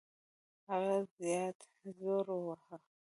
هغه زیات زور وواهه.